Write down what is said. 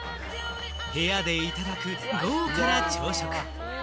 部屋でいただく豪華な朝食。